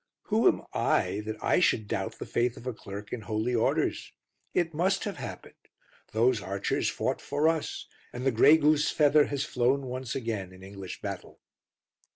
Who am I that I should doubt the faith of a clerk in holy orders? It must have happened. Those archers fought for us, and the grey goose feather has flown once again in English battle.